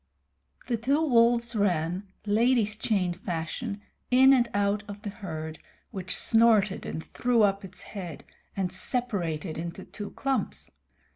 The two wolves ran, ladies' chain fashion, in and out of the herd, which snorted and threw up its head, and separated into two clumps.